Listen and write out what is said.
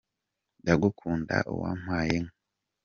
Ndagukunda uwampaye inka!